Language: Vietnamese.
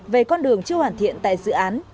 về con đường chưa hoàn thiện tại dự án